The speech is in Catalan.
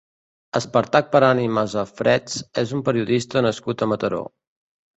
Espartac Peran i Masafrets és un periodista nascut a Mataró.